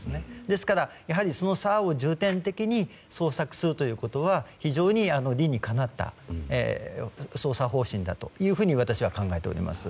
ですから、やはりその沢を重点的に捜索するということは非常に理にかなった捜査方針だと私は考えております。